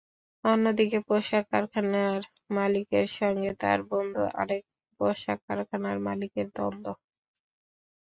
অন্যদিকে পোশাক কারখানার মালিকের সঙ্গে তাঁর বন্ধু আরেক পোশাক কারখানার মালিকের দ্বন্দ্ব।